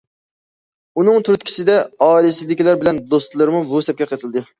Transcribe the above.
ئۇنىڭ تۈرتكىسىدە، ئائىلىسىدىكىلەر بىلەن دوستلىرىمۇ بۇ سەپكە قېتىلدى.